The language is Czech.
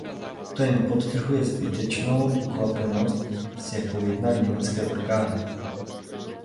To jen podtrhuje zbytečnou ukvapenost, s jakou jednaly německé orgány.